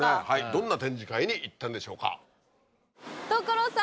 どんな展示会に行ったんでしょうか？